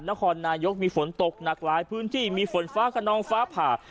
นครนายกมีฝนตกหนักหลายพื้นที่มีฝนฟ้าขนองฟ้าผ่า